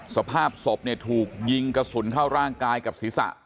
สภาพศพเนี่ยถูกยิงกระสุนเข้าร่างกายกับศีรษะ